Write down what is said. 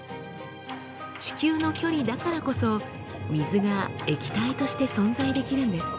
地球の距離だからこそ水が液体として存在できるんです。